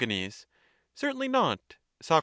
Certainly not. Soc.